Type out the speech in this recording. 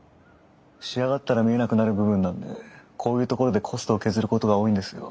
仕上がったら見えなくなる部分なんでこういうところでコストを削ることが多いんですよ。